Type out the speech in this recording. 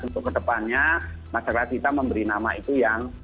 untuk kedepannya masyarakat kita memberi nama itu yang